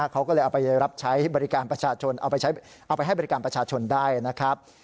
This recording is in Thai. เขาก็เลยเอาไปรับใช้บริการประชาชนเอาไปให้บริการประชาชนได้นะครับ